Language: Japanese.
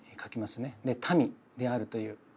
で「民」であるという。